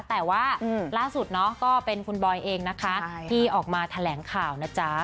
แต่ว่าล่าสุดเนาะก็เป็นคุณบอยเองนะคะที่ออกมาแถลงข่าวนะจ๊ะ